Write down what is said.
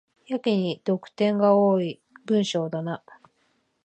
やけに読点が多い文章だな